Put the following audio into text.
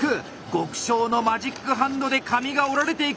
極小のマジックハンドで紙が折られていく！